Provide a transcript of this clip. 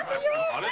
あれ？